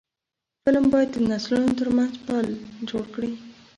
فلم باید د نسلونو ترمنځ پل جوړ کړي